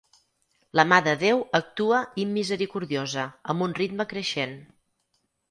La mà de déu actua immisericordiosa, amb un ritme creixent.